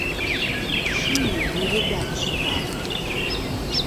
Шыі не відаць стала.